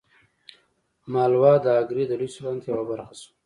مالوه د اګرې د لوی سلطنت یوه برخه شوه.